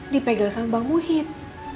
dipegel sama bang muhyid